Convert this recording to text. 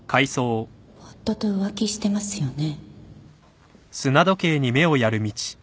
夫と浮気してますよね？